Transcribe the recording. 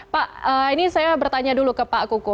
pak ini saya bertanya dulu ke pak kuku